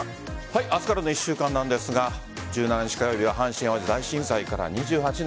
明日からの１週間なんですが１７日火曜日は阪神・淡路大震災から２８年。